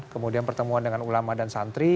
kemudian pertemuan dengan ulama dan santri